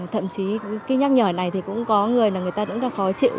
thậm chí cái nhắc nhở này thì cũng có người là người ta cũng đã khó chịu